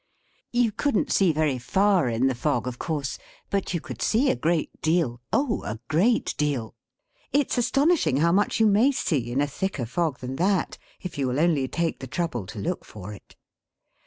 You couldn't see very far in the fog, of course; but you could see a great deal, oh a great deal! It's astonishing how much you may see, in a thicker fog than that, if you will only take the trouble to look for it.